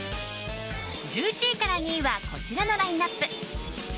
１１位から２位はこちらのラインアップ。